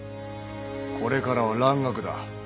これからは蘭学だ。